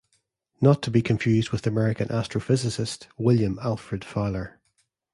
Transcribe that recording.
Not to be confused with American astrophysicist William Alfred Fowler.